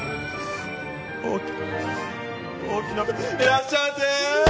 いらっしゃいませ！